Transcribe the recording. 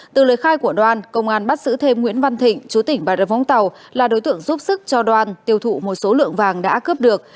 từ lời khai của đoan công an bắt giữ thêm nguyễn văn thịnh chú tỉnh bà rập vũng tàu là đối tượng giúp sức cho đoan tiêu thụ một số lượng vàng đã cướp được